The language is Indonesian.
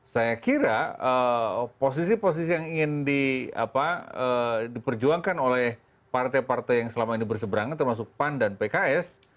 saya kira posisi posisi yang ingin diperjuangkan oleh partai partai yang selama ini berseberangan termasuk pan dan pks